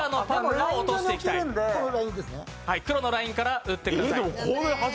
黒のラインから打ってください。